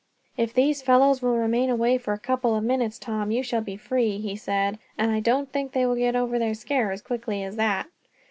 "If these fellows will remain away for a couple of minutes, Tom, you shall be free," he said, "and I don't think they will get over their scare as quickly as that."